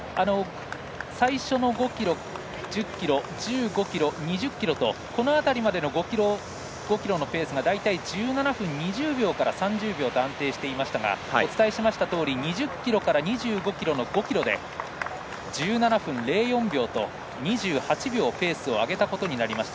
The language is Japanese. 最初の５ｋｍ１０ｋｍ、１５ｋｍ、２０ｋｍとこの辺りまでの５ｋｍのペースが１７分２０秒から３０秒と安定していましたがお伝えしましたとおり２０ｋｍから２５ｋｍの５ｋｍで１７分０４秒と２８秒ペースを上げたことになりました。